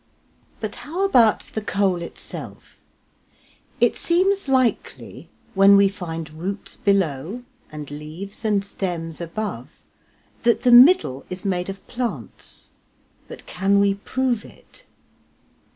But how about the coal itself? It seems likely, when we find roots below and leaves and stems above, that the middle is made of plants, but can we prove it?